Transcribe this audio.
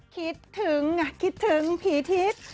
คิดถึงไงคิดถึงผีทิศ